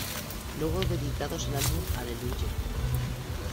Luego de editados el álbum "Hallelujah!